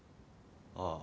ああ。